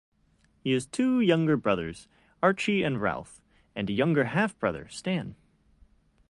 He has two younger brothers, Archie and Ralph, and a younger half-brother, Stan.